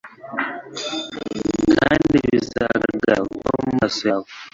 kandi bizagaragara vuba mumaso yawe